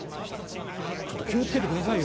ちょっと気を付けてくださいよ